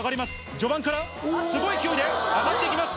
序盤からすごい勢いで上がっていきます。